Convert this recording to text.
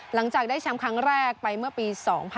หลังจากได้แชมป์ครั้งแรกไปเมื่อปี๒๕๖๒